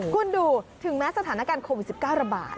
คุณดูถึงแม้สถานการณ์โควิด๑๙ระบาด